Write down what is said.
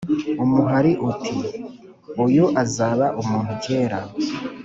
umuhari uti ” uyu azaba umuntu kera